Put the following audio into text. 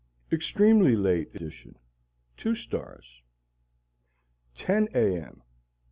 Extremely Late Edition Two stars 10 A. M.